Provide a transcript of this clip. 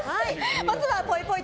まずはぽいぽい